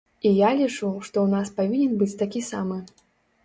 І я лічу, што ў нас павінен быць такі самы.